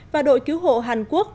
và đội cứu hộ hàn quốc